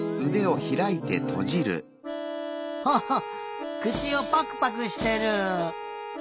ハッハッくちをパクパクしてる。